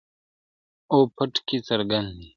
o پټ کي څرگند دی.